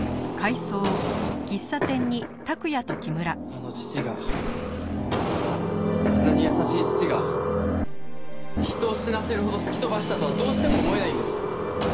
あの父があんなに優しい父が人を死なせるほど突き飛ばしたとはどうしても思えないんです。